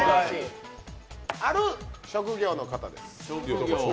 ある職業の方です。